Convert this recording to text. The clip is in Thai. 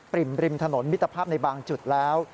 ริ่มริมถนนมิตรภาพในบางจุดแล้ว